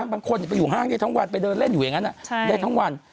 บางคนไปอยู่ห้างได้ทั้งวัน